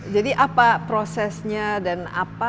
jadi apa prosesnya dan apa